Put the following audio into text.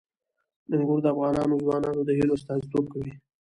انګور د افغان ځوانانو د هیلو استازیتوب کوي.